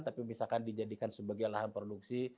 tapi misalkan dijadikan sebagai lahan produksi